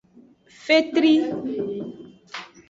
Fetri.